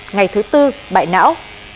ngày thứ bốn bại não